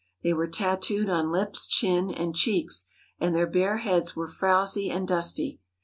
They were tattooed on lips, chin, and cheeks, and their bare heads were frowsy and dusty.